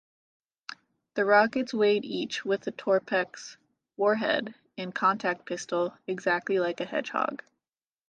The rockets weighed each, with a Torpex warhead and contact pistol, exactly like Hedgehog.